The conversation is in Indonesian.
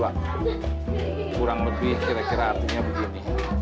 kurang lebih kira kira artinya begini